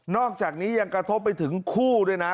อกจากนี้ยังกระทบไปถึงคู่ด้วยนะ